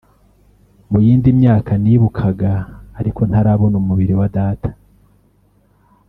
mu yindi myaka nibukaga ariko ntarabona umubiri wa data